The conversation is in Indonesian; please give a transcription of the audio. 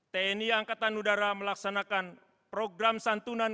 tni angkatan udara melaksanakan program santunan